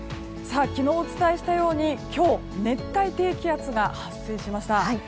昨日お伝えしたように今日熱帯低気圧が発生しました。